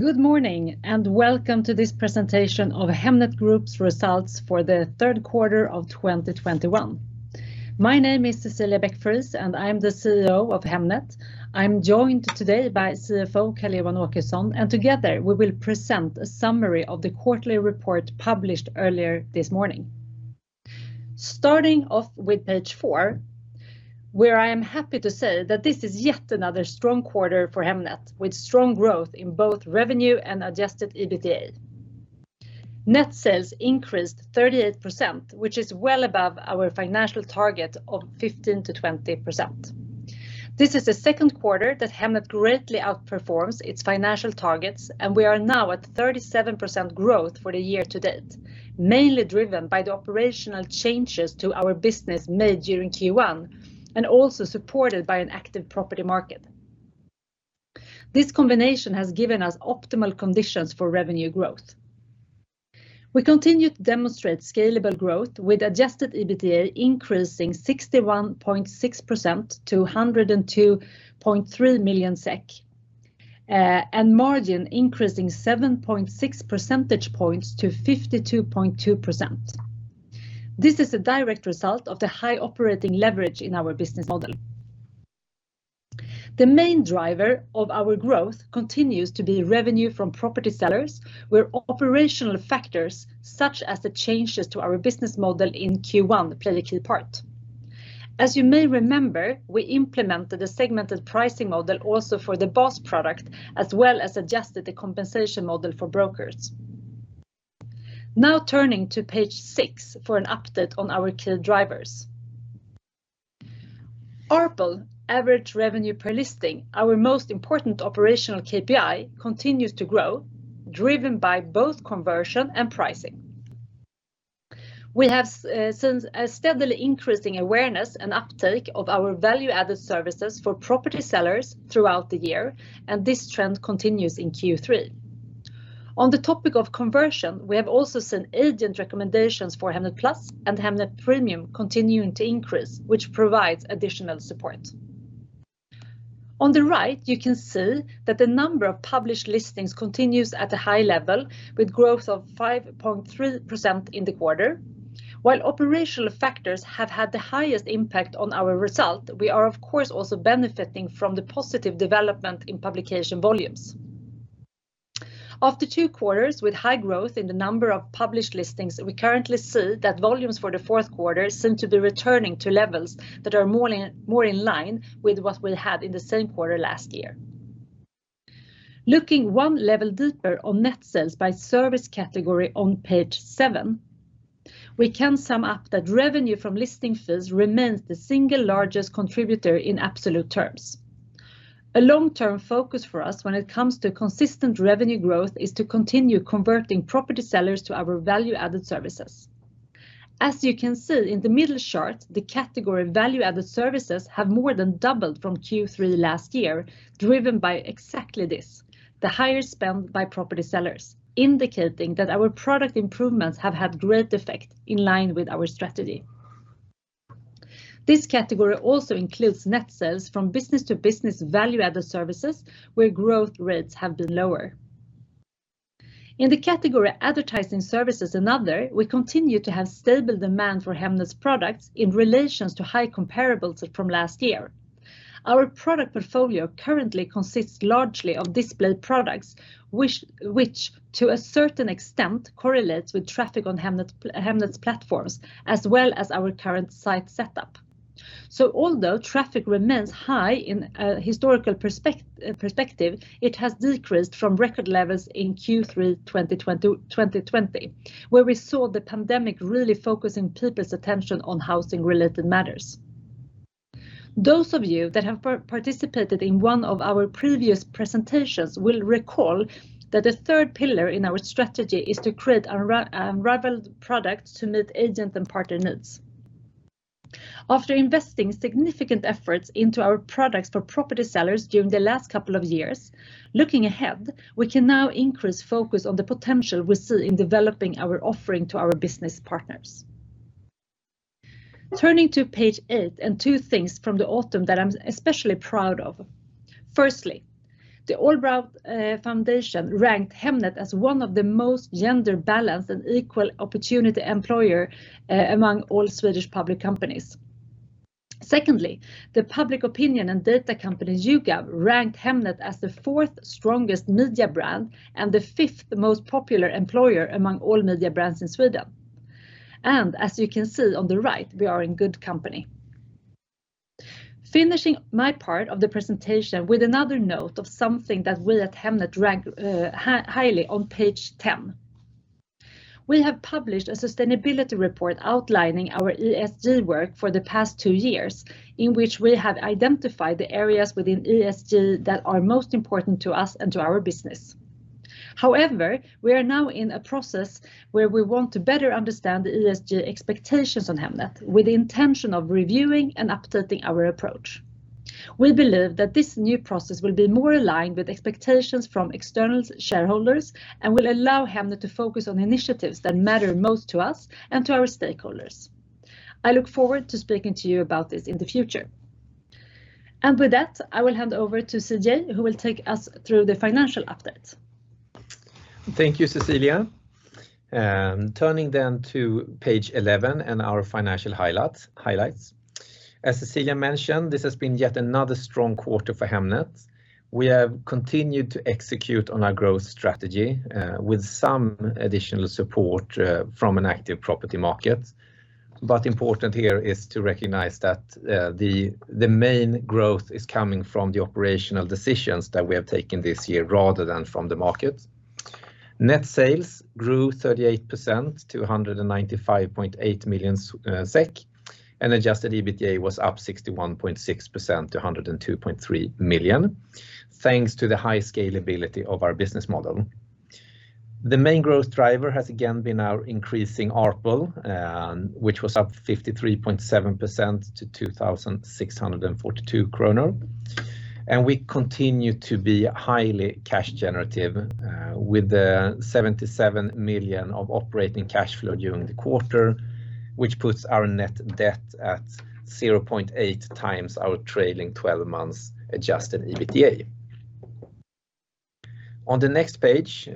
Good morning, and welcome to this presentation of Hemnet Group's results for the third quarter of 2021. My name is Cecilia Beck-Friis, and I'm the CEO of Hemnet. I'm joined today by CFO Carl Johan Åkesson, and together we will present a summary of the quarterly report published earlier this morning. Starting off with page four, where I am happy to say that this is yet another strong quarter for Hemnet, with strong growth in both revenue and adjusted EBITDA. Net sales increased 38%, which is well above our financial target of 15%-20%. This is the second quarter that Hemnet greatly outperforms its financial targets, and we are now at 37% growth for the year to date, mainly driven by the operational changes to our business made during Q1, and also supported by an active property market. This combination has given us optimal conditions for revenue growth. We continue to demonstrate scalable growth with adjusted EBITDA increasing 61.6% to 102.3 million SEK, and margin increasing 7.6 percentage points to 52.2%. This is a direct result of the high operating leverage in our business model. The main driver of our growth continues to be revenue from property sellers, where operational factors such as the changes to our business model in Q1 play a key part. As you may remember, we implemented a segmented pricing model also for the Bas product as well as adjusted the compensation model for brokers. Now turning to page six for an update on our key drivers. ARPL, Average Revenue Per Listing, our most important operational KPI, continues to grow, driven by both conversion and pricing. We have seen a steadily increasing awareness and uptake of our value-added services for property sellers throughout the year, and this trend continues in Q3. On the topic of conversion, we have also seen agent recommendations for Hemnet Plus and Hemnet Premium continuing to increase, which provides additional support. On the right, you can see that the number of published listings continues at a high level with growth of 5.3% in the quarter. While operational factors have had the highest impact on our result, we are of course also benefiting from the positive development in publication volumes. After two quarters with high growth in the number of published listings, we currently see that volumes for the fourth quarter seem to be returning to levels that are more in line with what we had in the same quarter last year. Looking one level deeper on net sales by service category on page seven, we can sum up that revenue from listing fees remains the single largest contributor in absolute terms. A long-term focus for us when it comes to consistent revenue growth is to continue converting property sellers to our value-added services. As you can see in the middle chart, the category value-added services have more than doubled from Q3 last year, driven by exactly this, the higher spend by property sellers, indicating that our product improvements have had great effect in line with our strategy. This category also includes net sales from business-to-business value-added services, where growth rates have been lower. In the category advertising services and other, we continue to have stable demand for Hemnet's products in relation to high comparables from last year. Our product portfolio currently consists largely of display products, which to a certain extent correlates with traffic on Hemnet's platforms, as well as our current site setup. Although traffic remains high in a historical perspective, it has decreased from record levels in Q3 2020, where we saw the pandemic really focusing people's attention on housing-related matters. Those of you that have participated in one of our previous presentations will recall that a third pillar in our strategy is to create unrivaled products to meet agent and partner needs. After investing significant efforts into our products for property sellers during the last couple of years, looking ahead, we can now increase focus on the potential we see in developing our offering to our business partners. Turning to page eight, two things from the autumn that I'm especially proud of. Firstly, the AllBright Foundation ranked Hemnet as one of the most gender-balanced and equal opportunity employer among all Swedish public companies. Secondly, the public opinion and data company YouGov ranked Hemnet as the fourth strongest media brand and the fifth most popular employer among all media brands in Sweden. As you can see on the right, we are in good company. Finishing my part of the presentation with another note of something that we at Hemnet rank highly on page 10. We have published a sustainability report outlining our ESG work for the past two years, in which we have identified the areas within ESG that are most important to us and to our business. However, we are now in a process where we want to better understand the ESG expectations on Hemnet with the intention of reviewing and updating our approach. We believe that this new process will be more aligned with expectations from external shareholders and will allow Hemnet to focus on initiatives that matter most to us and to our stakeholders. I look forward to speaking to you about this in the future. With that, I will hand over to CJ, who will take us through the financial update. Thank you, Cecilia. Turning to page 11 and our financial highlights. As Cecilia mentioned, this has been yet another strong quarter for Hemnet. We have continued to execute on our growth strategy with some additional support from an active property market. Important here is to recognize that the main growth is coming from the operational decisions that we have taken this year rather than from the market. Net sales grew 38% to 195.8 million SEK, and adjusted EBITDA was up 61.6% to 102.3 million. Thanks to the high scalability of our business model. The main growth driver has again been our increasing ARPL, which was up 53.7% to 2,642 kronor. We continue to be highly cash generative, with the 77 million of operating cash flow during the quarter, which puts our net debt at 0.8 times our trailing 12 months adjusted EBITDA. On the next page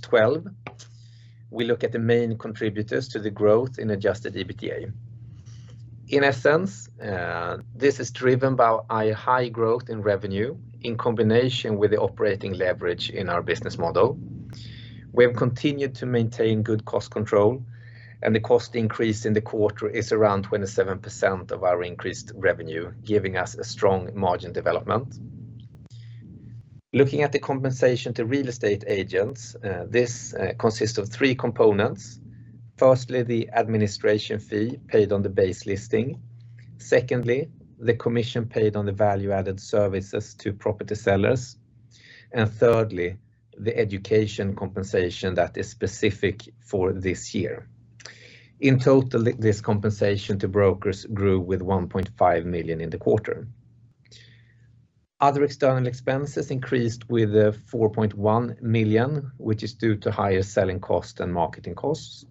12, we look at the main contributors to the growth in adjusted EBITDA. In essence, this is driven by a high growth in revenue in combination with the operating leverage in our business model. We have continued to maintain good cost control, and the cost increase in the quarter is around 27% of our increased revenue, giving us a strong margin development. Looking at the compensation to real estate agents, this consists of three components. Firstly, the administration fee paid on the base listing. Secondly, the commission paid on the value-added services to property sellers. Thirdly, the education compensation that is specific for this year. In total, this compensation to brokers grew with 1.5 million in the quarter. Other external expenses increased with 4.1 million, which is due to higher selling costs and marketing costs.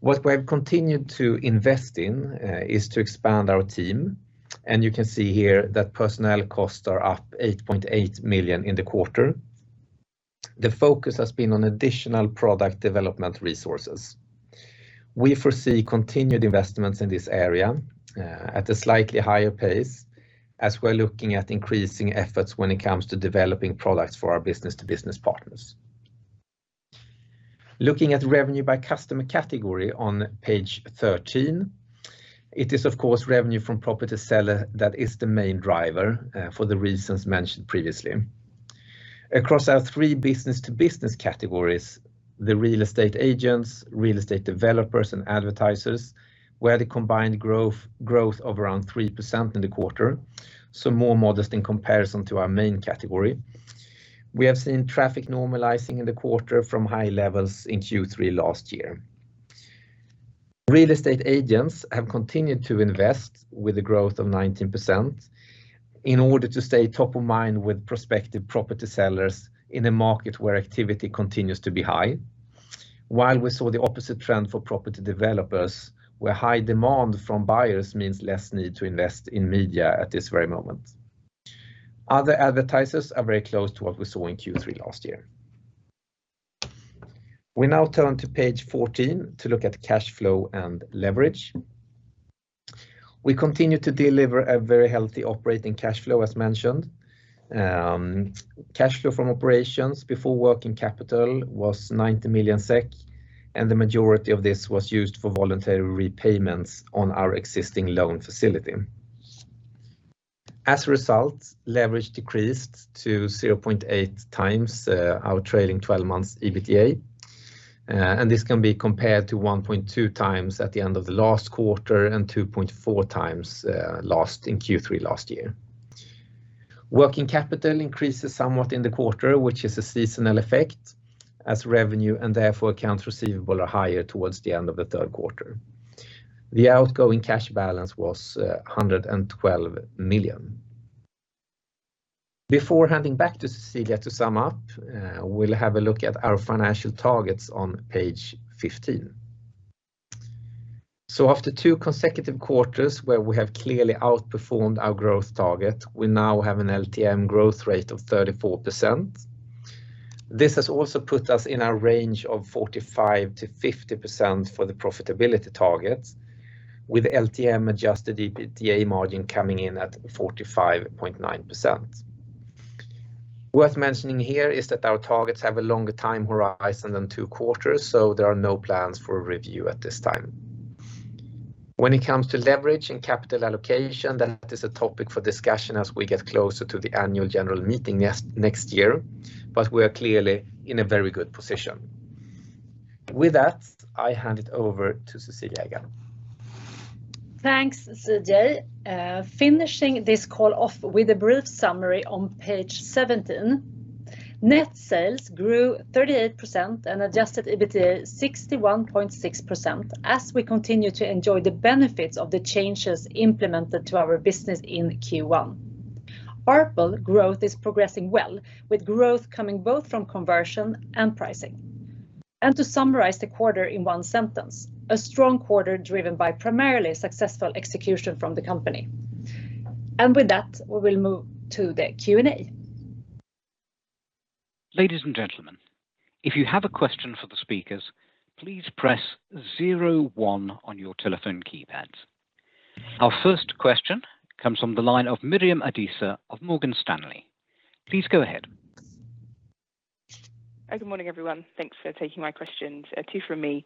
What we have continued to invest in is to expand our team, and you can see here that personnel costs are up 8.8 million in the quarter. The focus has been on additional product development resources. We foresee continued investments in this area at a slightly higher pace as we're looking at increasing efforts when it comes to developing products for our business-to-business partners. Looking at revenue by customer category on page 13, it is of course revenue from property seller that is the main driver for the reasons mentioned previously. Across our three business-to-business categories, the real estate agents, real estate developers, and advertisers, we had a combined growth of around 3% in the quarter, so more modest in comparison to our main category. We have seen traffic normalizing in the quarter from high levels in Q3 last year. Real estate agents have continued to invest with the growth of 19% in order to stay top of mind with prospective property sellers in a market where activity continues to be high. While we saw the opposite trend for property developers, where high demand from buyers means less need to invest in media at this very moment. Other advertisers are very close to what we saw in Q3 last year. We now turn to page 14 to look at cash flow and leverage. We continue to deliver a very healthy operating cash flow as mentioned. Cash flow from operations before working capital was 90 million SEK, and the majority of this was used for voluntary repayments on our existing loan facility. As a result, leverage decreased to 0.8x our trailing twelve months EBITDA. This can be compared to 1.2x at the end of the last quarter and 2.4x in Q3 last year. Working capital increases somewhat in the quarter, which is a seasonal effect as revenue and therefore accounts receivable are higher towards the end of the third quarter. The outgoing cash balance was 112 million. Before handing back to Cecilia to sum up, we'll have a look at our financial targets on page 15. After two consecutive quarters where we have clearly outperformed our growth target, we now have an LTM growth rate of 34%. This has also put us in a range of 45%-50% for the profitability targets with LTM adjusted EBITDA margin coming in at 45.9%. Worth mentioning here is that our targets have a longer time horizon than two quarters, so there are no plans for review at this time. When it comes to leverage and capital allocation, that is a topic for discussion as we get closer to the annual general meeting next year, but we are clearly in a very good position. With that, I hand it over to Cecilia again. Thanks, CJ. Finishing this call off with a brief summary on page 17. Net sales grew 38% and adjusted EBITDA 61.6% as we continue to enjoy the benefits of the changes implemented to our business in Q1. ARPL growth is progressing well, with growth coming both from conversion and pricing. To summarize the quarter in one sentence, a strong quarter driven by primarily successful execution from the company. With that, we will move to the Q&A. Ladies and gentlemen, if you have a question for the speakers, please press zero one on your telephone keypads. Our first question comes from the line of Mariam Adisa of Morgan Stanley. Please go ahead. Good morning, everyone. Thanks for taking my questions. Two from me.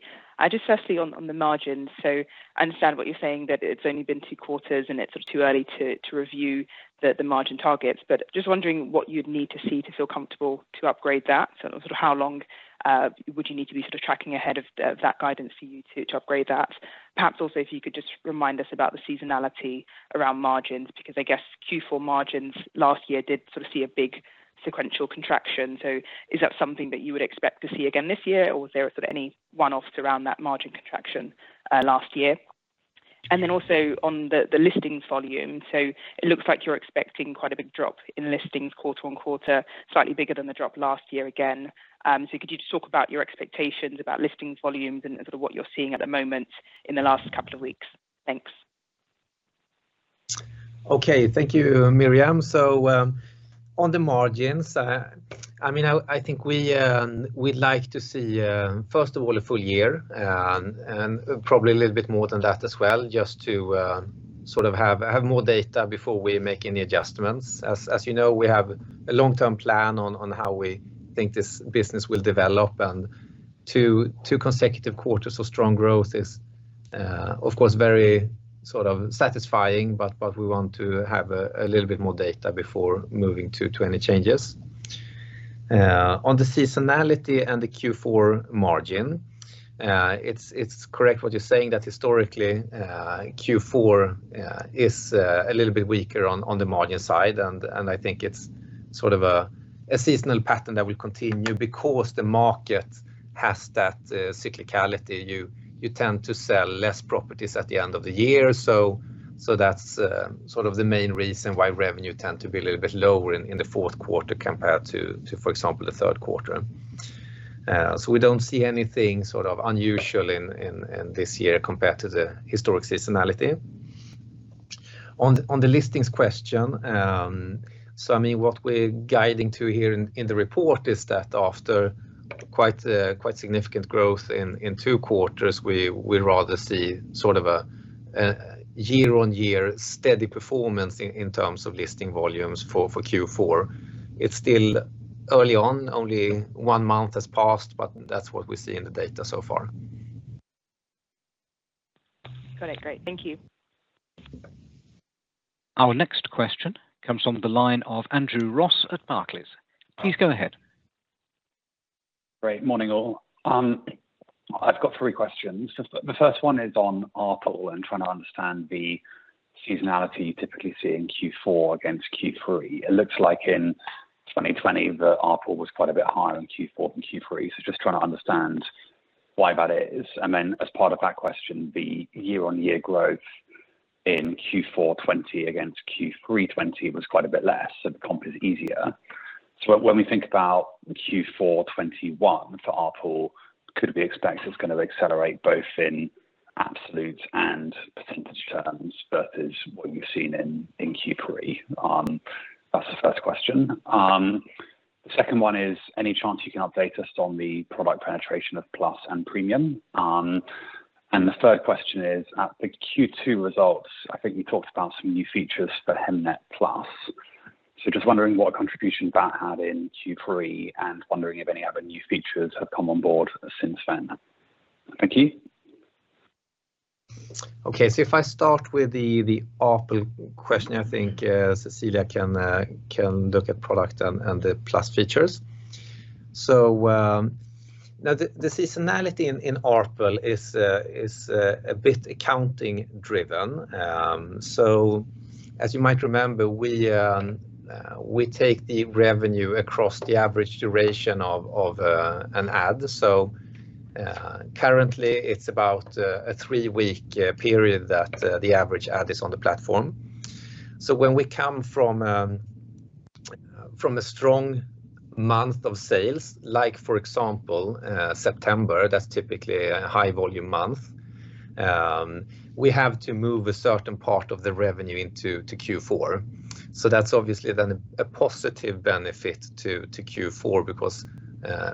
Just firstly on the margins. I understand what you're saying, that it's only been two quarters, and it's sort of too early to review the margin targets. Just wondering what you'd need to see to feel comfortable to upgrade that, sort of how long would you need to be sort of tracking ahead of that guidance for you to upgrade that? Perhaps also, if you could just remind us about the seasonality around margins, because I guess Q4 margins last year did sort of see a big sequential contraction. Is that something that you would expect to see again this year, or was there sort of any one-offs around that margin contraction last year? Then also on the listings volume. It looks like you're expecting quite a big drop in listings quarter-over-quarter, slightly bigger than the drop last year again. Could you just talk about your expectations about listings volumes and sort of what you're seeing at the moment in the last couple of weeks? Thanks. Okay. Thank you, Mariam. On the margins, I mean, I think we'd like to see, first of all, a full year, and probably a little bit more than that as well, just to sort of have more data before we make any adjustments. As you know, we have a long-term plan on how we think this business will develop, and two consecutive quarters of strong growth is, of course, very sort of satisfying, but we want to have a little bit more data before moving to any changes. On the seasonality and the Q4 margin, it's correct what you're saying that historically, Q4 is a little bit weaker on the margin side, and I think it's sort of a seasonal pattern that will continue because the market has that cyclicality. You tend to sell less properties at the end of the year. That's sort of the main reason why revenue tend to be a little bit lower in the fourth quarter compared to, for example, the third quarter. We don't see anything sort of unusual in this year compared to the historic seasonality. On the listings question, so I mean, what we're guiding to here in the report is that after quite significant growth in two quarters, we rather see sort of a year-on-year steady performance in terms of listing volumes for Q4. It's still early on, only one month has passed, but that's what we see in the data so far. Got it. Great. Thank you. Our next question comes from the line of Andrew Ross at Barclays. Please go ahead. Good morning, all. I've got three questions. The first one is on ARPL and trying to understand the seasonality you typically see in Q4 against Q3. It looks like in 2020 the ARPL was quite a bit higher in Q4 than Q3. Just trying to understand why that is. Then as part of that question, the year-on-year growth in Q4 2020 against Q3 2020 was quite a bit less, so the comp is easier. When we think about Q4 2021 for ARPL, could we expect it's gonna accelerate both in absolute and percentage terms versus what you've seen in Q3? That's the first question. The second one is, any chance you can update us on the product penetration of Plus and Premium? The third question is, at the Q2 results, I think you talked about some new features for Hemnet Plus. Just wondering what contribution that had in Q3 and wondering if any other new features have come on board since then. Thank you. Okay. If I start with the ARPL question, I think Cecilia can look at product and the Plus features. Now the seasonality in ARPL is a bit accounting driven. As you might remember, we take the revenue across the average duration of an ad. Currently it's about a three-week period that the average ad is on the platform. When we come from a strong month of sales, like for example, September, that's typically a high volume month, we have to move a certain part of the revenue into Q4. That's obviously then a positive benefit to Q4 because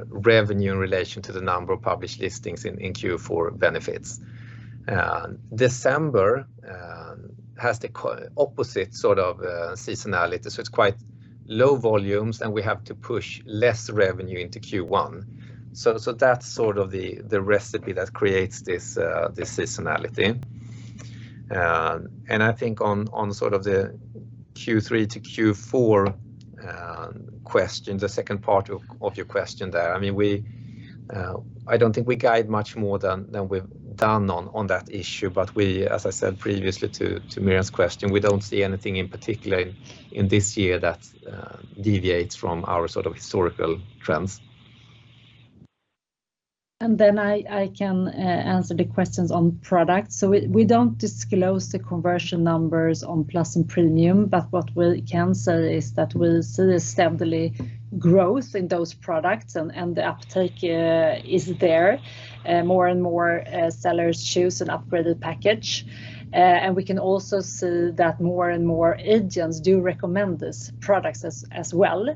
revenue in relation to the number of published listings in Q4 benefits. December has the opposite sort of seasonality, so it's quite low volumes, and we have to push less revenue into Q1. That's sort of the recipe that creates this seasonality. I think on sort of the Q3 to Q4 question, the second part of your question there, I mean, I don't think we guide much more than we've done on that issue. We, as I said previously to Mariam's question, we don't see anything in particular in this year that deviates from our sort of historical trends. I can answer the questions on products. We don't disclose the conversion numbers on Plus and Premium, but what we can say is that we see a steady growth in those products and the uptake is there. More and more sellers choose an upgraded package. We can also see that more and more agents do recommend these products as well.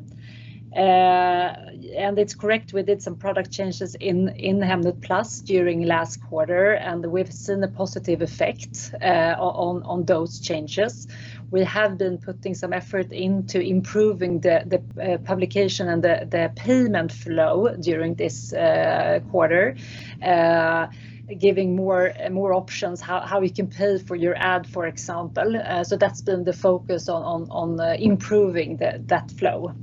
It's correct, we did some product changes in Hemnet Plus during last quarter, and we've seen a positive effect on those changes. We have been putting some effort into improving the publication and the payment flow during this quarter, giving more options how you can pay for your ad, for example. That's been the focus on improving that flow.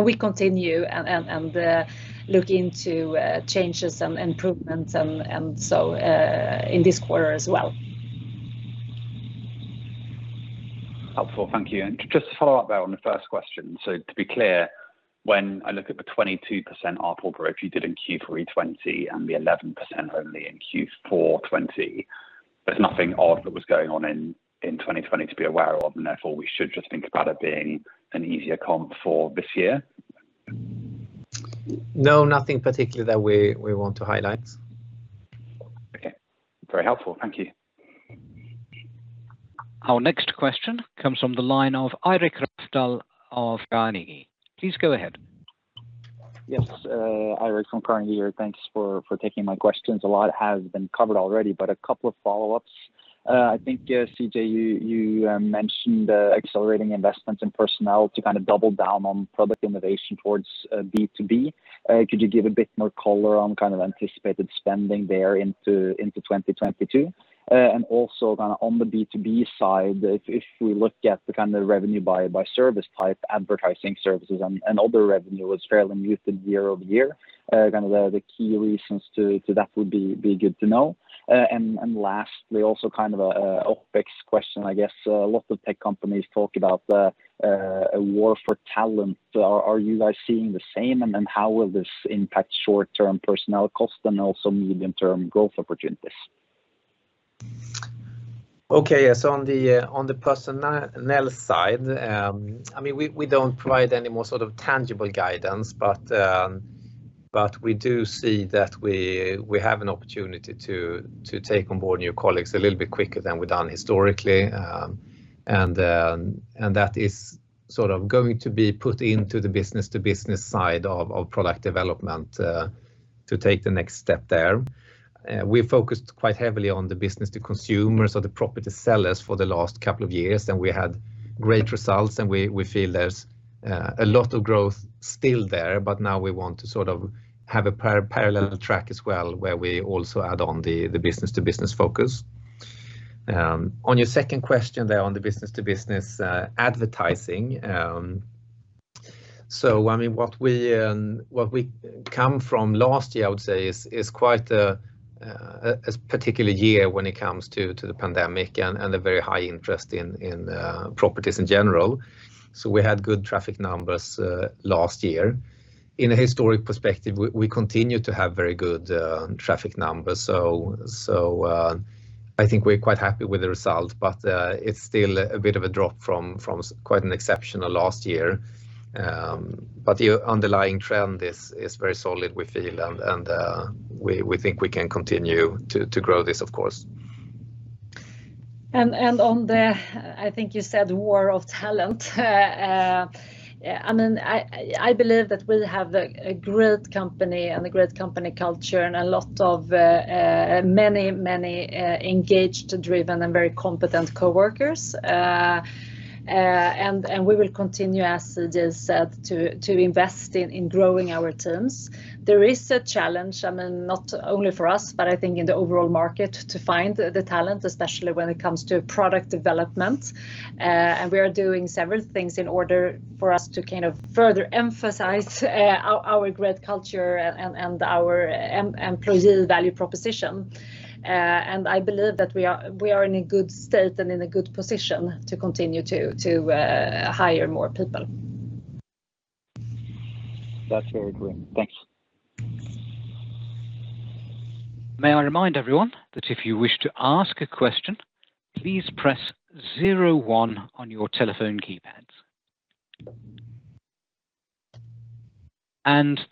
We continue and look into changes and improvements, and so in this quarter as well. Helpful, thank you. Just to follow up there on the first question. To be clear, when I look at the 22% ARPL growth you did in Q3 2020, and the 11% only in Q4 2020, there's nothing odd that was going on in 2020 to be aware of, and therefore we should just think about it being an easier comp for this year? No, nothing particular that we want to highlight. Okay. Very helpful. Thank you. Our next question comes from the line of Eirik Rafdal of Carnegie. Please go ahead. Yes, Eirik from Carnegie here. Thanks for taking my questions. A lot has been covered already, but a couple of follow-ups. I think, CJ, you mentioned accelerating investments in personnel to kind of double down on product innovation towards B2B. Could you give a bit more color on kind of anticipated spending there into 2022? Also kinda on the B2B side, if we look at the kind of revenue by service type, advertising services and other revenue was fairly muted year over year. Kinda the key reasons to that would be good to know. Lastly, also kind of a OpEx question, I guess. A lot of tech companies talk about a war for talent. Are you guys seeing the same? How will this impact short-term personnel cost and also medium-term growth opportunities? Okay. Yes. On the personnel side, I mean, we don't provide any more sort of tangible guidance, but we do see that we have an opportunity to take on board new colleagues a little bit quicker than we've done historically. That is sort of going to be put into the business-to-business side of product development to take the next step there. We focused quite heavily on the business to consumer, so the property sellers, for the last couple of years, and we had great results, and we feel there's a lot of growth still there. Now we want to sort of have a parallel track as well, where we also add on the business-to-business focus. On your second question there on the business-to-business advertising, I mean, what we come from last year, I would say, is quite a particular year when it comes to the pandemic and the very high interest in properties in general. We had good traffic numbers last year. In a historic perspective, we continue to have very good traffic numbers. I think we're quite happy with the result, but it's still a bit of a drop from quite an exceptional last year. The underlying trend is very solid, we feel, and we think we can continue to grow this, of course. On the, I think you said war of talent, I mean, I believe that we have a great company and a great company culture and a lot of many engaged, driven, and very competent coworkers. We will continue, as it is said, to invest in growing our teams. There is a challenge, I mean, not only for us, but I think in the overall market, to find the talent, especially when it comes to product development. We are doing several things in order for us to kind of further emphasize our great culture and our employee value proposition. I believe that we are in a good state and in a good position to continue to hire more people. That's very clear. Thanks. May I remind everyone that if you wish to ask a question, please press zero one on your telephone keypads.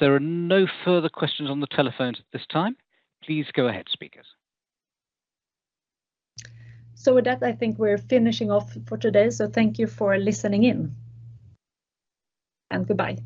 There are no further questions on the telephones at this time. Please go ahead, speakers. With that, I think we're finishing off for today, so thank you for listening in, and goodbye.